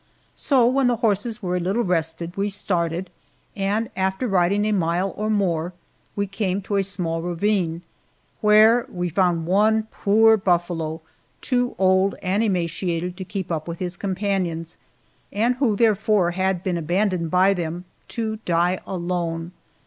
So, when the horses were a little rested, we started, and, after riding a mile or more, we came to a small ravine, where we found one poor buffalo, too old and emaciated to keep up with his companions, and who, therefore, had been abandoned by them, to die alone.